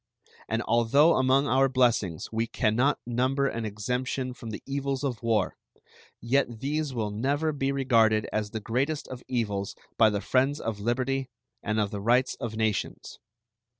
And although among our blessings we can not number an exemption from the evils of war, yet these will never be regarded as the greatest of evils by the friends of liberty and of the rights of nations.